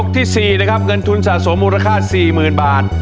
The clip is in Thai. ที่สี่นะครับเงินทุนสะสมมูลค่าสี่หมื่นบาท